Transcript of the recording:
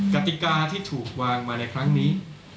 กติกาที่ถูกวางมาในครั้งนี้